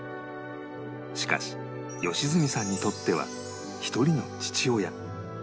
しかし良純さんにとっては１人の父親